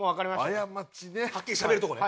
はっきりしゃべるとこね。